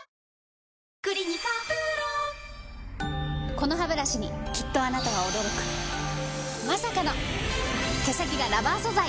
このハブラシにきっとあなたは驚くまさかの毛先がラバー素材！